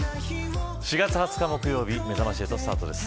４月２０日木曜日めざまし８スタートです。